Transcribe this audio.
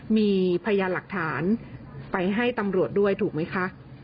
มีพยานหลักฐานไปให้ตำรวจด้วยถูกไหมคะ